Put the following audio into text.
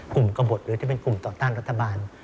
กลุ่มกระบดหรือจะเป็นกลุ่มต่อต้านรัฐบาล